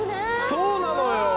そうなのよ